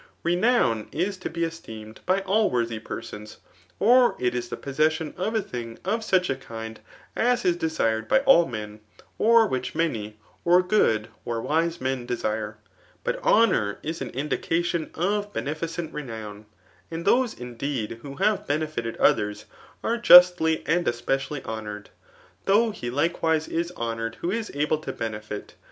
Renown is to be esteemed by all worthy persons, or it is the possession of a thing of such a kind as is desired by all men, or which many, or good^ or wise men desare* But h<mour is an indication of baieficent renown* And those, indeed, who have benefited others, are justly and especially honoured ; though he likewise is honoured who is able to benefit.